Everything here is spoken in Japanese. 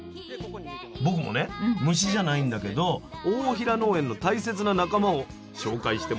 僕もね虫じゃないんだけど大平農園の大切な仲間を紹介してもらいましたよ。